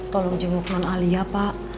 tolong jenguk non alia pak